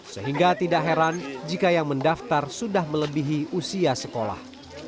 sehingga tidak heran jika yang mendaftar sudah melebihi usia sekolah